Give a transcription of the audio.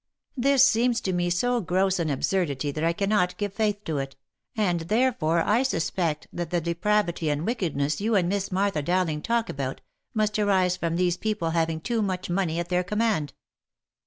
This seems to me so gross an absurdity that I cannot give faith to it, and therefore I suspect that the depravity and wickedness you and Miss Martha Dowling talk about, must arise from these people having too much money at their command.